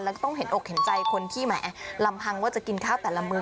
แล้วก็ต้องเห็นอกเห็นใจคนที่แหมลำพังว่าจะกินข้าวแต่ละมื้อ